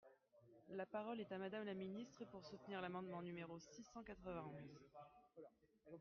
La parole est à Madame la ministre, pour soutenir l’amendement numéro six cent quatre-vingt-onze.